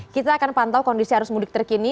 kita akan pantau kondisi arus mudik terkini